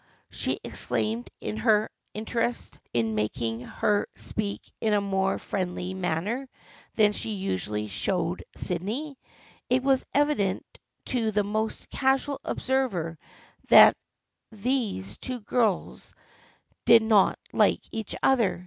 " she exclaimed, her interest in it making her speak in a more friendly manner than she usually showed Sydney. It was evident to the most casual observer that these two girls did not like each other.